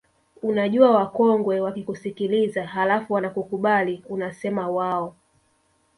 Unajua wakongwe wakikusikiliza halafu wanakukubali unasema waoo